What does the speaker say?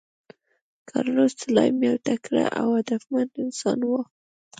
کارلوس سلایم یو تکړه او هدفمند انسان و.